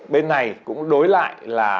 bên này cũng đối lại là